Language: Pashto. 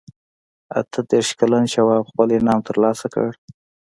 اته دېرش کلن شواب خپل انعام ترلاسه کړ.